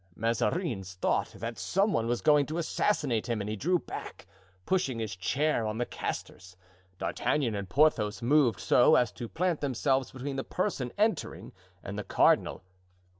Mazarin thought that some one was going to assassinate him and he drew back, pushing his chair on the castors. D'Artagnan and Porthos moved so as to plant themselves between the person entering and the cardinal.